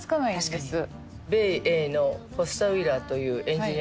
確かに。